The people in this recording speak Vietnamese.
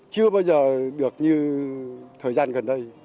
chưa bao giờ được như thời gian gần đây